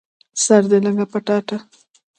سر دي لکه پټاټه